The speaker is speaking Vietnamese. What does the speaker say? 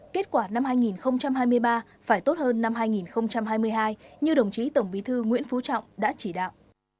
kết quả năm hai nghìn hai mươi ba phải tốt hơn năm hai nghìn hai mươi hai như đồng chí tổng bí thư nguyễn phú trọng đã chỉ đạo